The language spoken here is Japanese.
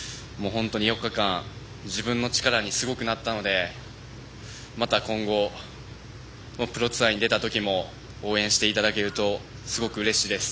本当に４日間自分の力にすごくなったのでまた今後、プロツアーに出た時も応援していただけるとすごくうれしいです。